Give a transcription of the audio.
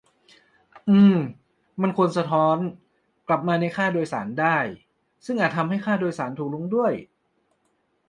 อือ มันควร "สะท้อน" กลับมาในค่าโดยสารได้ ซึ่งอาจทำให้ค่าโดยสารถูกลงด้วย